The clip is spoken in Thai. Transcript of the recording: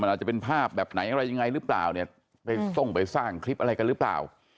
อาจจะเป็นภาพแบบไหนอะไรยังไงหรือเปล่าเนี่ยไปส่งไปสร้างคลิปอะไรกันหรือเปล่า